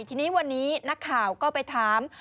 ทีนี้วันนี้นักข่าวก็ไปถาม